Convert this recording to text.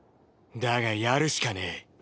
だがやるしかねぇ。